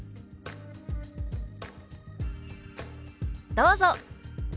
どうぞ！